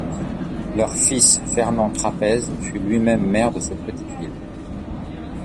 Leur fils, Fernand Crapez, fut lui-même maire de cette petite ville.